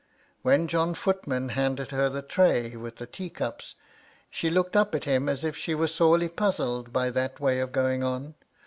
When John Footman handed * her the tray with the tea cups, she looked up at him * as if she were sorely puzzled by that way of going on.